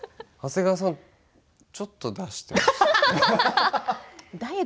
長谷川さんちょっと出していました。